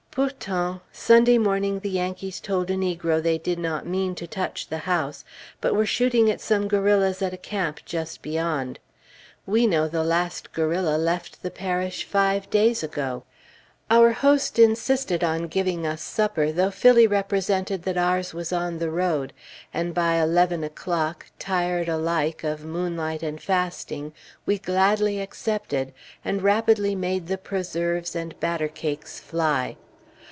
Pourtant, Sunday morning the Yankees told a negro they did not mean to touch the house, but were shooting at some guerrillas at a camp just beyond. We know the last guerrilla left the parish five days ago. Our host insisted on giving us supper, though Phillie represented that ours was on the road; and by eleven o'clock, tired alike of moonlight and fasting, we gladly accepted, and rapidly made the preserves and batter cakes fly.